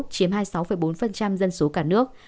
chiếm hai mươi sáu bốn dân số cả nước